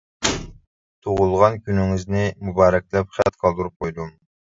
تۇغۇلغان كۈنىڭىزنى مۇبارەكلەپ خەت قالدۇرۇپ قويدۇم.